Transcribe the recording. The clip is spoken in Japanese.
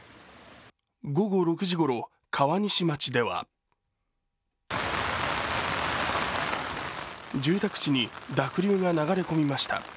午後６時ごろ、川西町では住宅地に濁流が流れ込みました。